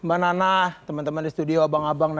ada sedikit yang